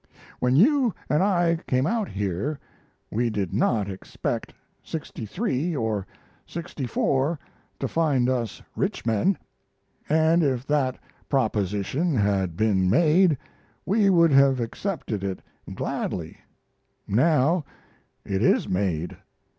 When you and I came out here we did not expect '63 or '64 to find us rich men and if that proposition had been made we would have accepted it gladly. Now, it is made.